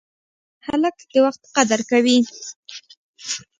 هلک د وخت قدر کوي.